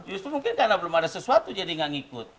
justru mungkin karena belum ada sesuatu jadi nggak ngikut